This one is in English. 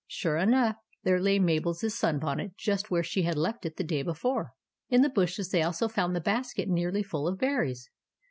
Sure enough, there lay Mabel's sunbonnet just where she had left it the day before. In the bushes they also found the basket nearly full of berries.